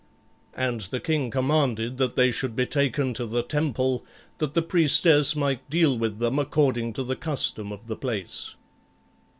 And the king commanded that they should be taken to the temple, that the priestess might deal with them according to the custom of the place.